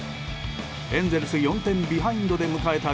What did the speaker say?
エンゼルス４点ビハインドで迎えた